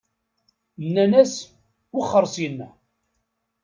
Nnan-as: Wexxeṛ syenna!